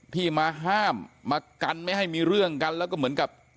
ที่มาห้ามมากันไม่ให้มีเรื่องกันแล้วก็เหมือนกับ